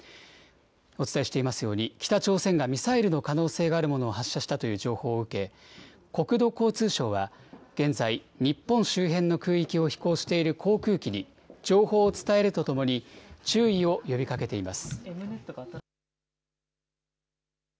お伝えしていますように、北朝鮮がミサイルの可能性があるものを発射したという情報を受け、国土交通省は、現在、日本周辺の空域を飛行している航空機に、情報を伝えるとともに、注意を呼びかけています。